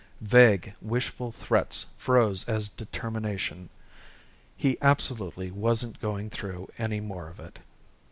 Vague, wishful threats froze as determination: he absolutely wasn't going through any more of it.